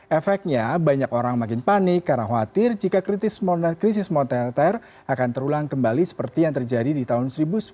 efeknya banyak orang makin panik karena khawatir jika krisis moneter akan terulang kembali seperti yang terjadi di tahun seribu sembilan ratus sembilan puluh delapan